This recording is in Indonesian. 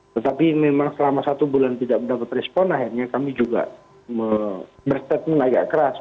tetapi memang selama satu bulan tidak mendapat respon akhirnya kami juga berstatement agak keras